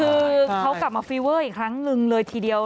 คือเขากลับมาฟีเวอร์อีกครั้งหนึ่งเลยทีเดียว